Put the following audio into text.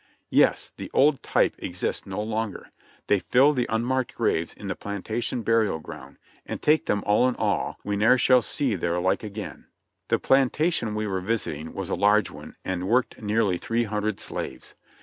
Yes ! The old type exists no longer; they fill the unmarked graves in the plantation burial ground ; and take them all in all, we ne'er shall see their like again. The plantation we were visiting was a large one and worked nearly three hundred slaves.